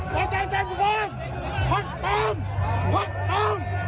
พวกคุณไม่ใช่พวกคุณโกรธปลอม